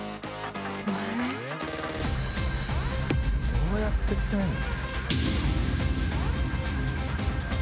どうやって詰めんの？